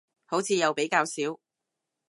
好似又比較少